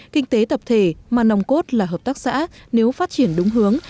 kinh tế tập thể mà nòng cốt là hợp tác xã nếu phát triển đúng hướng